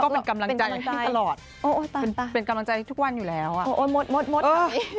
ก็เป็นกำลังใจให้ตลอดเป็นกำลังใจทุกวันอยู่แล้วโอ๊ยตาย